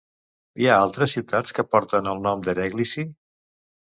Hi ha altres ciutats què porten el nom d'Ereğlisi?